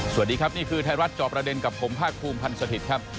สวัสดีครับนี่คือไทยรัฐจอบประเด็นกับผมภาคภูมิพันธ์สถิตย์ครับ